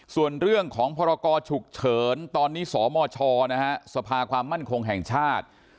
ส่วนเรื่องของพรกรฉุกเฉินตอนนี้สมชสภาความมั่นคงแห่งชาติ